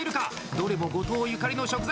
どれも五島ゆかりの食材。